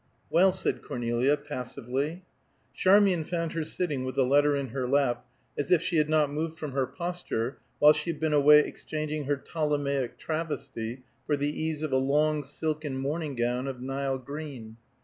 "Well," said Cornelia, passively. Charmian found her sitting with the letter in her lap, as if she had not moved from her posture while she had been away exchanging her Ptolemaic travesty for the ease of a long silken morning gown of Nile green.